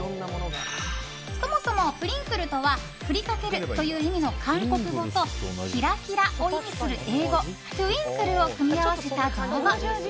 そもそもプリンクルとは振りかけるという意味の韓国語とキラキラを意味する英語トゥインクルを組み合わせた造語。